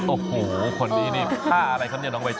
โอ้โหคนนี้นี่ผ้าอะไรครับเนี่ยน้องใบตอ